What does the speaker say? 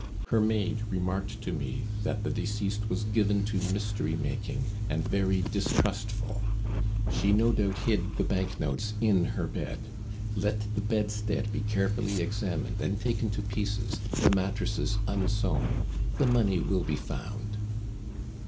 Her maid remarked to me that the deceased was given to mystery making, and very distrustful; she no doubt hid the banknotes in her bed. Let the bedstead be carefully examined and taken to pieces, the mattresses unsewn the money will be found."